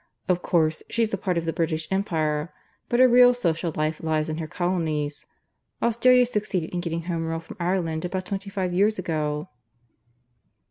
Of course, she's a part of the British Empire; but her real social life lies in her colonies. Australia succeeded in getting Home Rule from Ireland about twenty five years ago."